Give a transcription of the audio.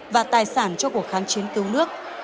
và tài sản cho cuộc kháng chiến cứu nước